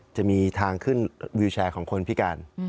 จะมีทางขึ้นวิวแชร์ของคนพิการ